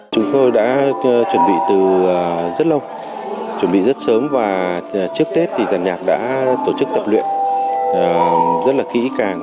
chúng tôi đã chuẩn bị từ rất lâu chuẩn bị rất sớm và trước tết thì giàn nhạc đã tổ chức tập luyện rất là kỹ càng